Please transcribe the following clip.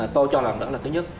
tôi cho rằng đó là thứ nhất